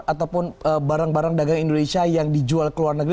ataupun barang barang dagang indonesia yang dijual ke luar negeri